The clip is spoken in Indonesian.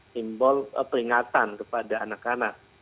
simbol peringatan kepada anak anak